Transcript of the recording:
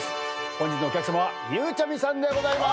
本日のお客さまはゆうちゃみさんでございます。